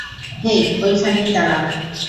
হেই, ওখানেই দাঁড়া!